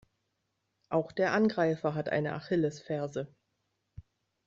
Auch der Angreifer hat eine Achillesferse.